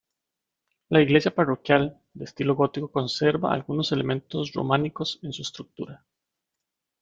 La iglesia parroquial de estilo gótico conserva algunos elementos románicos en su estructura.